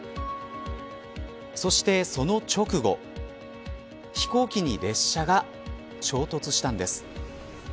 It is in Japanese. そしてその直後飛行機に列車が衝突したんです。